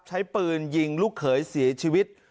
ใช้ปืนยิงลูกเขยเสียชีวิต